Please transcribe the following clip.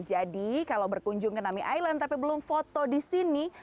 jadi kalau berkunjung ke nami island tapi belum foto di sini